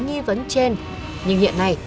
nghi vấn trên nhưng hiện nay